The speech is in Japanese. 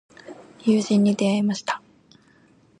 友人に出会いました。